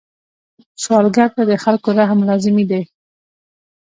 سوالګر ته د خلکو رحم لازمي دی